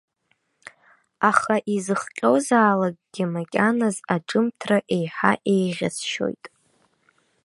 Аха, изыхҟьозаалакгьы, макьаназ аҿымҭра еиҳа еиӷьасшьоит.